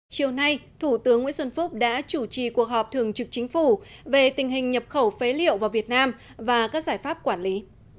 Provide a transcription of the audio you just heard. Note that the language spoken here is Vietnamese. chiều nay thủ tướng nguyễn xuân phúc đã chủ trì cuộc họp thường trực chính phủ về tình hình nhập khẩu phế liệu vào việt nam và các giải pháp quản lý